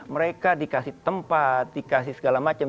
mereka dikasih tempat dikasih segala macam